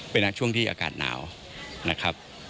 เป็นช่วงที่อากาศหนาวนะครับ